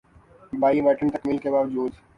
’بھائی وانٹڈ‘ تکمیل کے باوجود